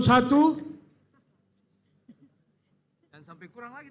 jangan sampai kurang lagi